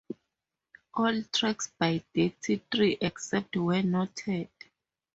All tracks by Dirty Three except where noted.